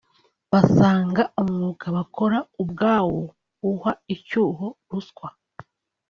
basanga umwuga bakora ubwawo uha icyuho ruswa